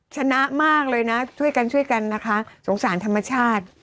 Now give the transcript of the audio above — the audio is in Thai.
ชนะมากเลยนะช่วยกันช่วยกันนะคะสงสารธรรมชาติ